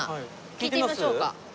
聞いてみましょうか。